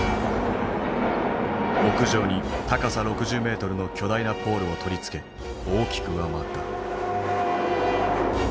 屋上に高さ６０メートルの巨大なポールを取り付け大きく上回った。